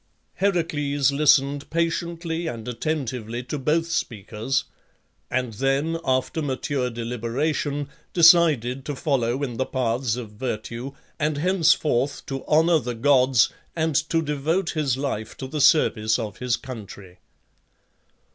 Heracles listened patiently and attentively to both speakers, and then, after mature deliberation, decided to follow in the paths of virtue, and henceforth to honour the gods, and to devote his life to the service of his country.